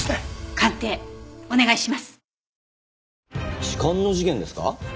鑑定お願いします。